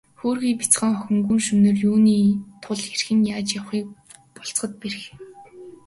Хөөрхий бяцхан охин гүн шөнөөр юуны тул хэрхэн яаж явахыг болзоход бэрх.